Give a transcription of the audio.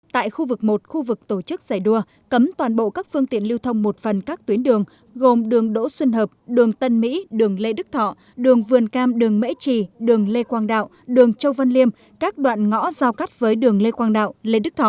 tại khu vực một khu vực tổ chức giải đua cấm toàn bộ các phương tiện lưu thông một phần các tuyến đường gồm đường đỗ xuân hợp đường tân mỹ đường lê đức thọ đường vườn cam đường mễ trì đường lê quang đạo đường châu văn liêm các đoạn ngõ giao cắt với đường lê quang đạo lê đức thọ